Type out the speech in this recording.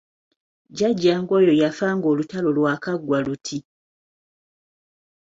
Jjajjange oyo yafa ng'olutalo lwakaggwa luti.